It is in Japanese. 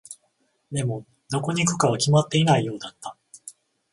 でも、どこに行くかは決まっていないようだった。